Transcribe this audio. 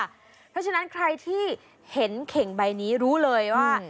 เพราะฉะนั้นใครที่เห็นเข่งใบนี้รู้เลยว่า